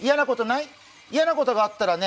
いやなことがあったらね